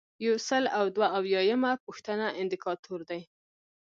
یو سل او دوه اویایمه پوښتنه اندیکاتور دی.